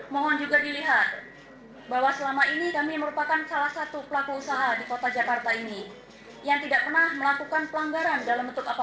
mohon juga dilihat bahwa selama ini kami merupakan salah satu pelaku usaha di kota jakarta ini yang tidak pernah melakukan pelanggaran dalam bentuk apa